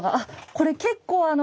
これ結構あの。